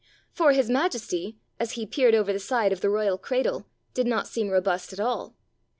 For his majesty, as he peered over the side of the royal cradle, did not seem robust at all.